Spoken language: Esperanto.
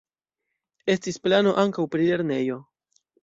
Estis plano ankaŭ pri lernejo.